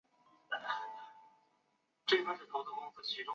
时值英国大力士奥皮音在四川北路的阿波罗影院表演大力戏。